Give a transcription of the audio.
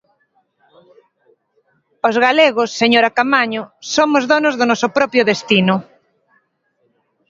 Os galegos, señora Caamaño, somos donos do noso propio destino.